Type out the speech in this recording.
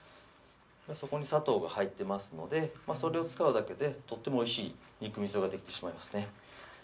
そこに砂糖が入ってますのでまぁそれを使うだけでとってもおいしい肉味ができてしまいますね